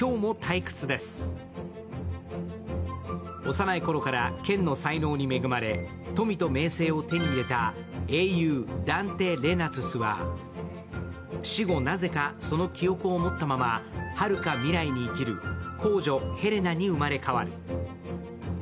幼いころから剣の才能に恵まれ富と名声を手に入れた英雄ダンテ・レナトゥスは、死後なぜか、その記憶を持ったままはるか未来を生きる、公女ヘレナに生まれ変わる。